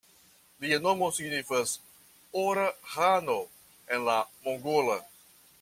Lia nomo signifas "Ora ĥano" en la mongola.